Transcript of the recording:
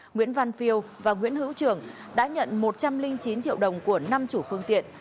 nguyễn văn phiêu và nguyễn hữu trường đã nhận một trăm linh chín triệu đồng của năm chủ phương tiện